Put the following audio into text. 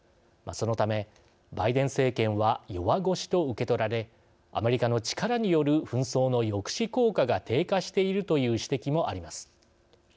そのためバイデン政権は弱腰と受け取られアメリカの力による紛争の抑止効果が低下しているという指摘もあります。